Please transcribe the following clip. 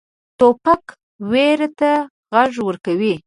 توپک ویرې ته غږ ورکوي.